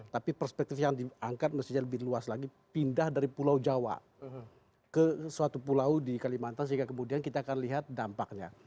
tapi perspektif yang diangkat mestinya lebih luas lagi pindah dari pulau jawa ke suatu pulau di kalimantan sehingga kemudian kita akan lihat dampaknya